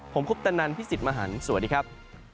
ผมคุปตะนันพี่สิทธิ์มหันฯสวัสดีครับ